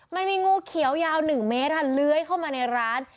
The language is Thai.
มันมีงูเขียวยาว๑เมตรค่ะเลื้อยเข้ามาในร้าน